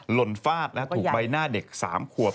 ลนฟาดถูกใบหน้าเด็ก๓ขวบ